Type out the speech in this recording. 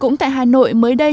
cũng tại hà nội mới đây